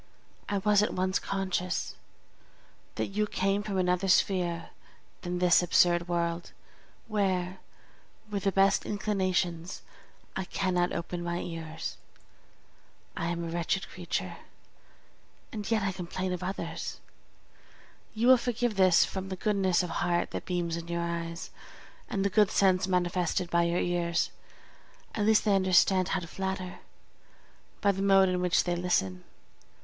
I was at once conscious that you came from another sphere than this absurd world, where, with the best inclinations, I cannot open my ears. I am a wretched creature, and yet I complain of others!! You will forgive this from the goodness of heart that beams in your eyes, and the good sense manifested by your ears; at least they understand how to flatter, by the mode in which they listen.